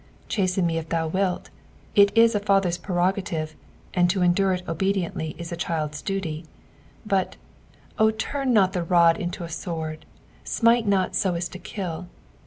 Chasten me if thou wilt, it ia a Father's prerogative, and to endure it obediently is a child's duty ; but, O turn not the lod into a sword, Emite not eo as to kill.